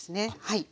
はい。